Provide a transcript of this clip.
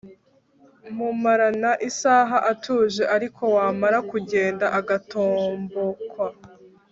mumarana isaha atuje ariko wamara kugenda, agatombokwa